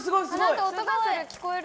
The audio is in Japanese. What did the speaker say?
何か音がする聞こえる。